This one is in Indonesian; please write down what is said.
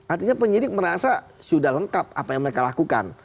artinya penyidik merasa sudah lengkap apa yang mereka lakukan